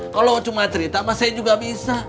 kalau cuma cerita mah saya juga bisa